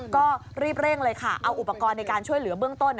ก็รีบเร่งเลยค่ะเอาอุปกรณ์ในการช่วยเหลือเบื้องต้น